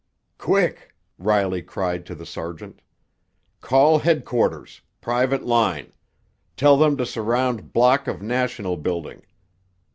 "Quick!" Riley cried to the sergeant. "Call headquarters, private line! Tell them to surround block of National Building.